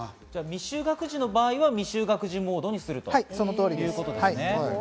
未就学児の場合は未就学児モードにするということですね。